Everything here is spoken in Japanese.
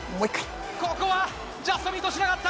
ここはジャストミートしなかった！